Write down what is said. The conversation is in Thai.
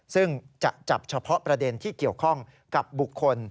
ซึ่งจะจับเฉพาะประเด็นที่เกี่ยวข้องกับบุคคล